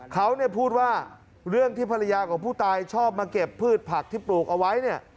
เขาเนี่ยพูดว่าเรื่องที่ภรรยาของผู้ตายชอบมาเก็บพืชผักที่ปลูกเอาไว้เนี่ย